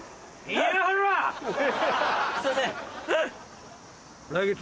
すいません。